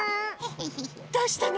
どうしたの？